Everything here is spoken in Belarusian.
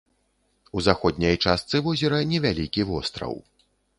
У заходняй частцы возера невялікі востраў.